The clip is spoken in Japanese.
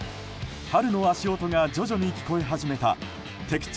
春の足音が徐々に聞こえ始めた敵地